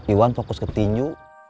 iwan fokus ke tinyu